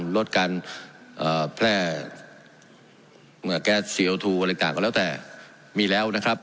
ลดการแพร่แก๊สเสียวทูอะไรต่างก็แล้วแต่มีแล้วนะครับ